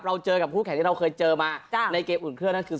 เจอกับคู่แข่งที่เราเคยเจอมาในเกมอุ่นเครื่องนั่นคือ